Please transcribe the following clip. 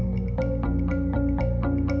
พวกมันกำลังพูดได้